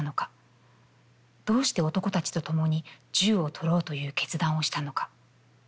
どうして男たちとともに銃をとろうという決断をしたのか？